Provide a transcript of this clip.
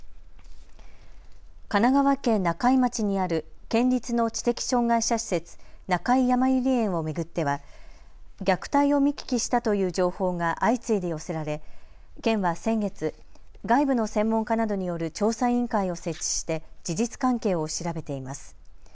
神奈川県中井町にある県立の知的障害者施設、中井やまゆり園を巡っては虐待を見聞きしたという情報が相次いで寄せられ県は先月、外部の専門家などによる調査委員会を設置して事実関係を調べています。